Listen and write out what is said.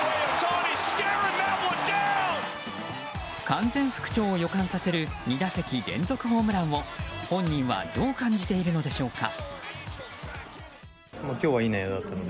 完全復調を予感させる２打席連続ホームランを本人はどう感じているのでしょうか。